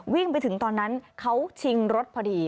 วิ่งไปถึงตอนนั้นเขาชิงรถพอดี